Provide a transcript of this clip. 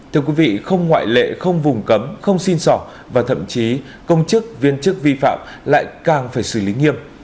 thưa quý vị không ngoại lệ không vùng cấm không xin sỏ và thậm chí công chức viên chức vi phạm lại càng phải xử lý nghiêm